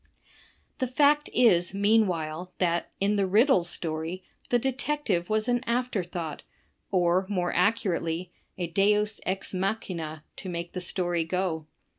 The fact is, meanwhile, that, in the Riddle Story, the detective was an afterthought, or, more accurately, 3L ^deus ex machin a to make the story go.